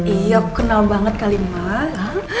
iya kenal banget kali emang